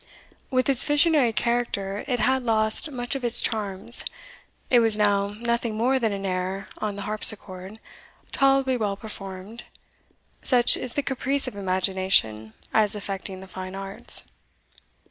With its visionary character it had lost much of its charms it was now nothing more than an air on the harpsichord, tolerably well performed such is the caprice of imagination as affecting the fine arts.